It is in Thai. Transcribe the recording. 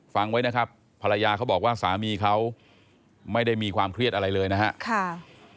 ฟังไว้นะครับภรรยาเขาบอกว่าสามีเขาไม่ได้มีความเครียดอะไรเลยนะครับ